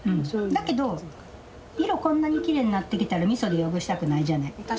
だけど色こんなにきれいになってきたらみそで汚したくないじゃない。